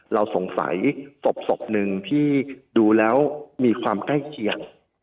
เราสงสัยศพหนึ่งที่ดูแล้วมีความใกล้เคียง